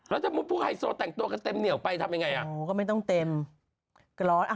แล้วถ้าพวกไฮโซแต่งตัวกันเต็มเหนี่ยวไปทำยังไงอ่ะ